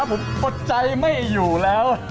ขนมตาล